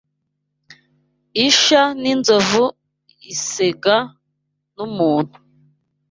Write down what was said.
Isha n'inzovu isega n,umuntu